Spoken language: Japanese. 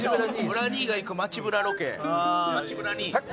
ブラ兄が行く街ブラロケ。